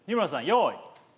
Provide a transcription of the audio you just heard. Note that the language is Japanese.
用意